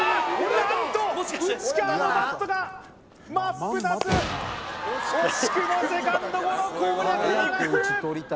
何と内川のバットが真っ二つ惜しくもセカンドゴロ攻略ならずあっ